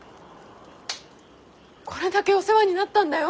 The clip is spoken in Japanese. これだけお世話になったんだよ！